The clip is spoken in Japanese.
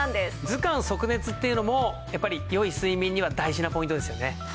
頭寒足熱っていうのもやっぱり良い睡眠には大事なポイントですよね。